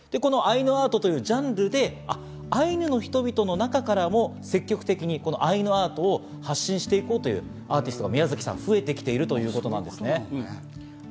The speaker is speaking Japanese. そしてこのアイヌアートというジャンルでアイヌの人々の中からも積極的にこのアイヌアートを発信して行こうというアーティスト、宮崎さん、増えてきているということなんですね。